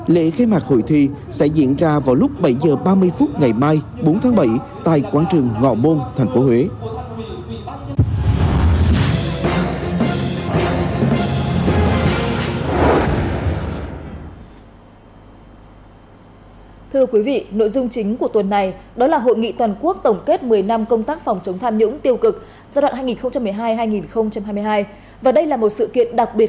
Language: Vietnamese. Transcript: lễ khai mạc hội thi sẽ diễn ra vào lúc bảy h ba mươi phút ngày mai bốn tháng bảy tại quán trường ngọ môn tp huế